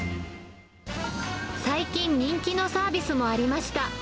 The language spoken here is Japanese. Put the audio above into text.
最近、人気のサービスもありました。